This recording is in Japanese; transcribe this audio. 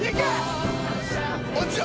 落ちろ！